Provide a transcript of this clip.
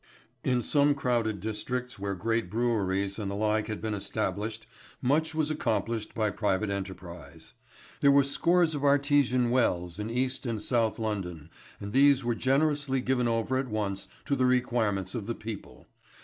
In some crowded districts where great breweries and the like had been established much was accomplished by private enterprise. There were scores of artesian wells in East and South London and these were generously given over at once to the requirements of the people.